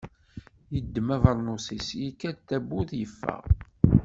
Yeddem abernus-is, yekka tawwurt yeffeɣ.